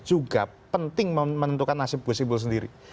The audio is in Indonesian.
juga penting menentukan nasib bu sibul sendiri